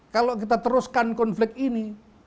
kalau kita teruskan konflik ini